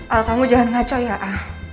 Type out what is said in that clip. al kamu jangan ngacau ya ah